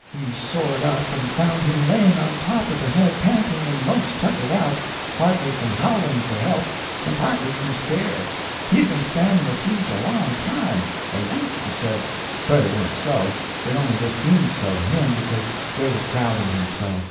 We soared up and found him laying on top of the head panting and most tuckered out, partly from howling for help and partly from scare. He had been standing a siege a long time—a week, he said, but it warn't so, it only just seemed so to him because they was crowding him so.